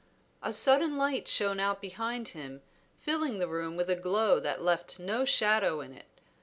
A sudden light shone out behind him filling the room with a glow that left no shadow in it.